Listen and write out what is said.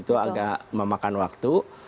itu agak memakan waktu